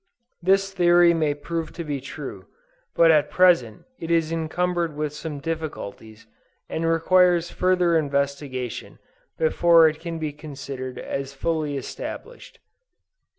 This theory may prove to be true, but at present, it is encumbered with some difficulties and requires further investigation, before it can be considered as fully established.